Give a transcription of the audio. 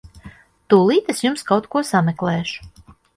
Tūlīt es jums kaut ko sameklēšu.